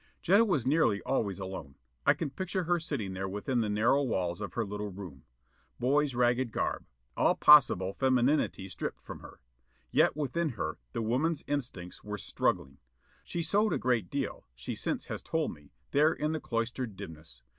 Jetta was nearly always alone. I can picture her sitting there within the narrow walls of her little room. Boy's ragged garb. All possible femininity stripped from her. Yet, within her, the woman's instincts were struggling. She sewed a great deal, she since has told me, there in the cloistered dimness.